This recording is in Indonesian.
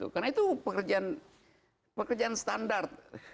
karena itu pekerjaan standar